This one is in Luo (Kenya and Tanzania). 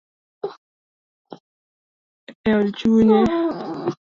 Eod chunye, Asisi nene okwong'o chike anyuolane.